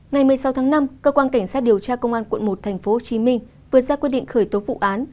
ngày một mươi sáu tháng năm cơ quan cảnh sát điều tra công an quận một tp hcm vừa ra quyết định khởi tố vụ án